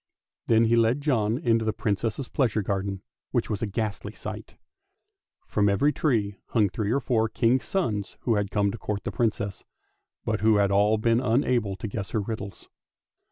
" Then he led John into the Princess' pleasure garden, which was a ghastly sight. From every tree hung three or four King's sons who had come to court the THE TRAVELLING COMPANIONS 375 Princess, but who had all been unable to guess her riddles.